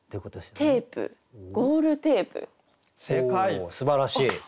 おすばらしい。